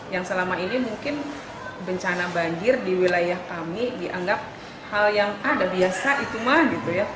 yang selama ini mungkin bencana banjir di wilayah kami dianggap hal yang ada biasa itu mah gitu ya